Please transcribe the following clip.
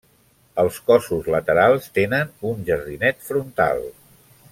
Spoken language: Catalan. Els cossos laterals tenen un jardinet frontal.